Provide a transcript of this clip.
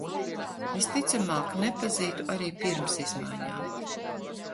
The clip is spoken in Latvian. Visticamāk nepazītu arī pirms izmaiņām.